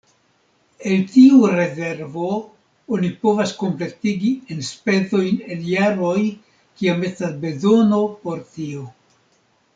El tiu rezervo oni povas kompletigi enspezojn en jaroj, kiam estas bezono por tio.